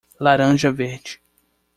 Laranja verde.